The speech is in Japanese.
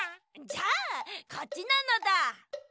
じゃあこっちなのだ。